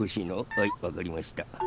はいわかりました。